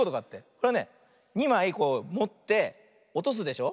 これはね２まいこうもっておとすでしょ。